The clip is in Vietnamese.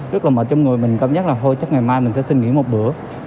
rất là mệt trong người mình cảm giác là thôi chắc ngày mai mình sẽ xin nghỉ một bữa